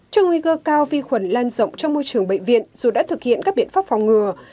trừ nguy cơ cao vi khuẩn lan rộng trong môi trường bệnh viện dù đã thực hiện các biện pháp phòng ngừa